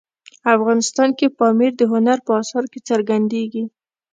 افغانستان کې پامیر د هنر په اثارو کې څرګندېږي.